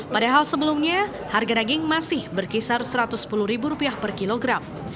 padahal sebelumnya harga daging masih berkisar rp satu ratus sepuluh per kilogram